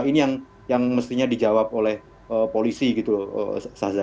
ini yang mestinya dijawab oleh polisi gitu saza